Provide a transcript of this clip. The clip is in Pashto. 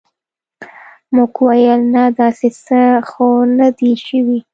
موږ ویل نه داسې څه خو نه دي شوي.